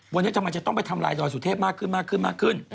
วันนี้ทำไมจะต้องไปทำลายดอยสุเทพมากขึ้นมากขึ้นมากขึ้น